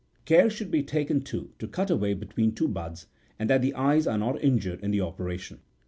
Care should be taken, too, to cut always between two buds, and that the eyes are not injured in the operation.